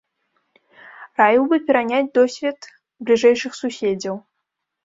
Раіў бы пераняць досвед бліжэйшых суседзяў.